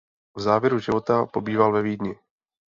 V závěru života pobýval ve Vídni.